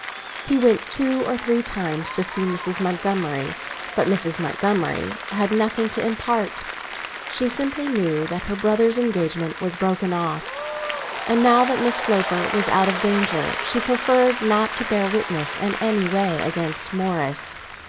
He went two or three times to see Mrs. Montgomery, but Mrs. Montgomery had nothing to impart. She simply knew that her brother's engagement was broken off, and now that Miss Sloper was out of danger she preferred not to bear witness in any way against Morris.